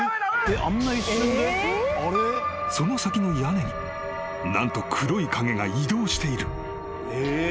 ［その先の屋根に何と黒い影が移動している］